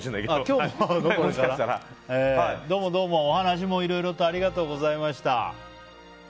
お話もいろいろとありがとうございました。